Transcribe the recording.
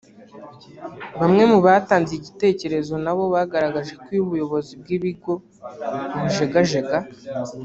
Bamwe mu batanze ibitekerezo nabo bagaragaje ko iyo ubuyobozi bw’ibigo bujegajega